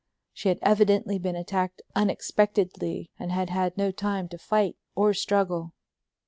She had evidently been attacked unexpectedly and had had no time to fight or struggle.